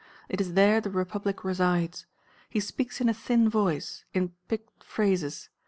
It is there the Republic resides. He speaks in a thin voice, in picked phrases.